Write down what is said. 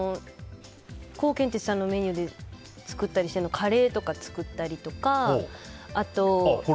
コウケンテツさんのメニューで作ったりしてるのはカレーとか作ったりとかあとは。